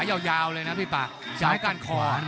โหโหโหโหโหโหโหโหโหโห